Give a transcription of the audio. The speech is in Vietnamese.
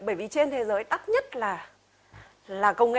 bởi vì trên thế giới ắt nhất là công nghệ